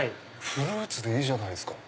フルーツでいいじゃないですか。